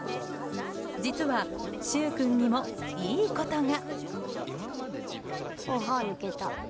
実は、柊君にもいいことが。